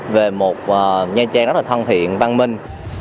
về một nha trang rất là thân thiện văn minh